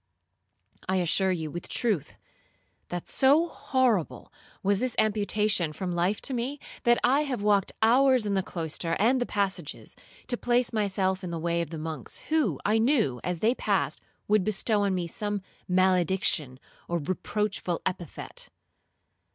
I assure you, with truth, that so horrible was this amputation from life to me, that I have walked hours in the cloister and the passages, to place myself in the way of the monks, who, I knew, as they passed, would bestow on me some malediction or reproachful epithet.